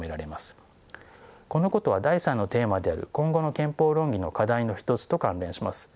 このことは第３のテーマである今後の憲法論議の課題の一つと関連します。